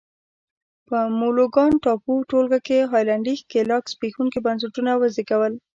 په مولوکان ټاپو ټولګه کې هالنډي ښکېلاک زبېښونکي بنسټونه وزېږول.